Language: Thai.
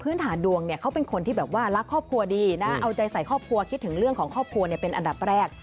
ฐานดวงเนี่ยเขาเป็นคนที่แบบว่ารักครอบครัวดีนะเอาใจใส่ครอบครัวคิดถึงเรื่องของครอบครัวเป็นอันดับแรก